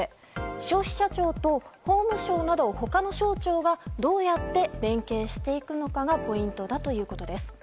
消費者庁と法務省など他の省庁がどうやって連携していくのかがポイントだということです。